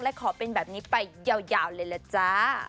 และขอเป็นแบบนี้ไปยาวเลยล่ะจ๊ะ